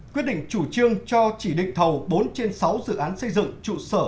quyết định chủ trương cho chỉ định thầu bốn trên sáu dự án xây dựng trụ sở